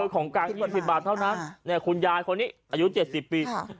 ของกลางเงิน๑๐บาทเท่านั้นคุณยายคนนี้อายุ๗๐ปี